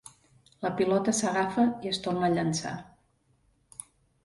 La pilota s'agafa i es torna a llançar.